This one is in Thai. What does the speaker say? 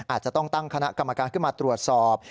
อาจจะต้องตั้งคณะกรรมการขึ้นมาตรวจสอบ